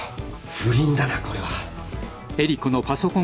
不倫だなこれは。